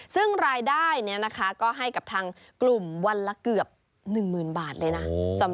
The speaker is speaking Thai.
ซึ่งรายได้เนี้ยนะคะก็ให้กับทางกลุ่มวันละเกือบหนึ่งหมื่นบาทเลยน่ะโอ้